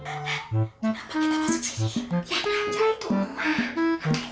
ya itu rumah